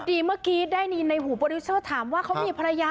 ดีเมื่อกี้ได้ยินในหูโปรดิวเซอร์ถามว่าเขามีภรรยา